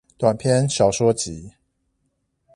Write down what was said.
短篇小說集